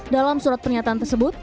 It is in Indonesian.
dalam surat pernyataan tersebut